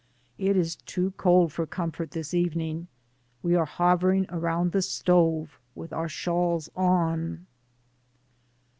It is too cold for comfort .this evening. We are hovering around the stove with our shawls on.